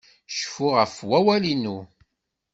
Cfu ɣef wawal-inu!